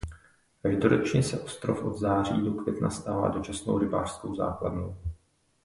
Každoročně se ostrov od září do května stává dočasnou rybářskou základnou.